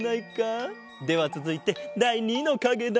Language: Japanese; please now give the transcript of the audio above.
ではつづいてだい２のかげだ。